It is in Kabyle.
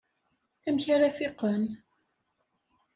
Amek ara fiqen?